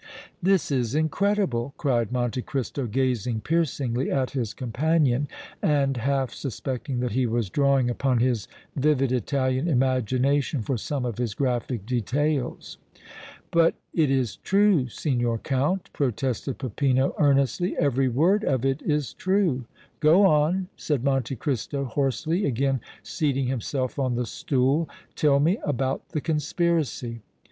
"This is incredible!" cried Monte Cristo, gazing piercingly at his companion and half suspecting that he was drawing upon his vivid Italian imagination for some of his graphic details. "But it is true, Signor Count," protested Peppino, earnestly; "every word of it is true!" "Go on," said Monte Cristo, hoarsely, again seating himself on the stool. "Tell me about the conspiracy."